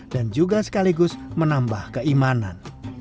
dan juga sekaligus menambah keimanan